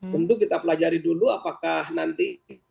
tentu kita pelajari dulu apakah nanti